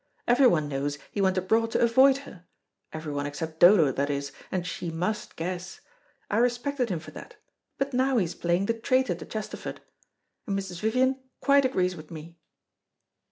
Everyone knows he went abroad to avoid her everyone except Dodo, that is, and she must guess. I respected him for that, but now he is playing the traitor to Chesterford. And Mrs. Vivian quite agrees with me."